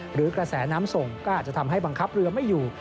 หรือกระแสน้ำส่งก็อาจจะทำให้บังคับเรือไม่อยู่